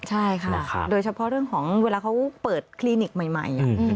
ใช่ค่ะโดยเฉพาะเรื่องของเวลาเขาเปิดคลินิกใหม่